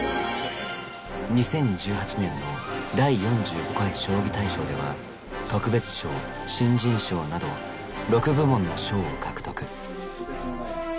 ２０１８年の第４５回将棋大賞では特別賞新人賞など６部門の賞を獲得。